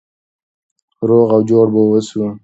روغ او جوړ به اوسو.